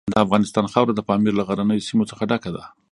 د افغانستان خاوره د پامیر له غرنیو سیمو څخه ډکه ده.